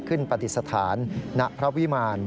ขึ้นปฏิสฐานณพระวิมาร